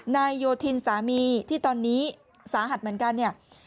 โยธินสามีที่ตอนนี้สาหัสเหมือนกันเนี่ย